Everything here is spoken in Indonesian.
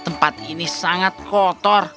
tempat ini sangat kotor